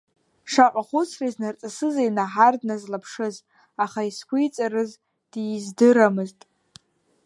Шаҟа хәыцра изнарҵысызеи Наҳар дназлаԥшыз, аха изқәиҵарыз диздырамызт.